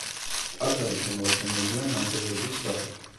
ტაძარი შემორჩენილია ნანგრევების სახით.